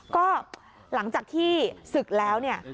ก็หลังจากที่ศึกแล้วเนี่ย